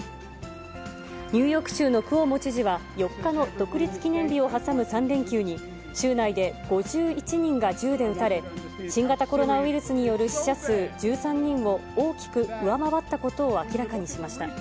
ニューヨーク州のクオモ知事は、４日の独立記念日を挟む３連休に、州内で５１人が銃で撃たれ、新型コロナウイルスによる死者数１３人を大きく上回ったことを明らかにしました。